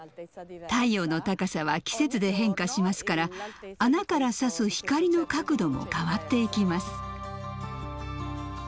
太陽の高さは季節で変化しますから穴からさす光の角度も変わっていきます。